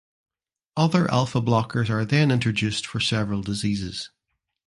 Other alpha blockers are then introduced for several diseases.